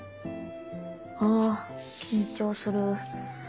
あ緊張する。